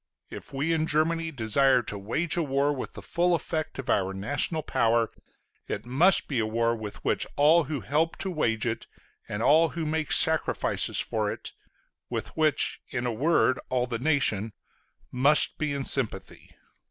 If we in Germany desire to wage a war with the full effect of our national power, it must be a war with which all who help to wage it, and all who make sacrifices for it with which, in a word, all the nation must be in sympathy.